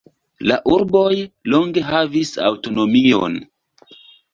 La urboj longe havis aŭtonomion.